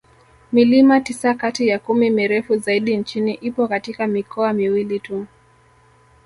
Milima tisa kati ya kumi mirefu zaidi nchini ipo katika mikoa miwili tu